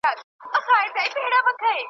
بیا په شیطانه په مکاره ژبه .